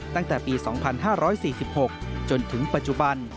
ตั้งแต่ปี๒๕๔๖จนถึงปัจจุบัน